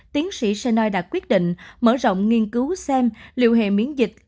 tiến sĩ senoi đã quyết định mở rộng nghiên cứu xem liệu hệ biến dịch